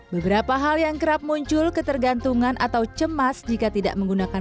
beberapa hal yang kerap muncul ketergantungan atau cemas jika tidak menggunakan